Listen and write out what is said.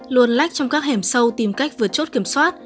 luồn lách trong các hẻm sâu tìm cách vượt chốt kiểm soát